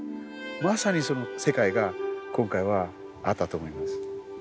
まさにその世界が今回はあったと思います。